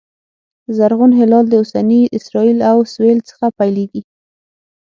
زرغون هلال د اوسني اسرایل له سوېل څخه پیلېږي